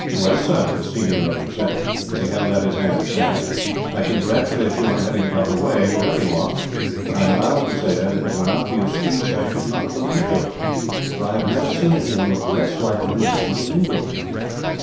"Well, sir," the senior of them said, as he held out his hand to Stanley, "I congratulate you on having got away, whoever you are; but I am bound to say that, if it were not for your speech, I should not have believed you; for I have never seen anyone look less like an Englishman than you do."